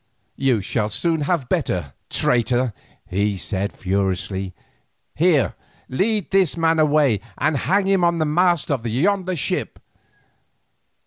"You shall soon have better, traitor," he said furiously. "Here, lead this man away and hang him on the mast of yonder ship."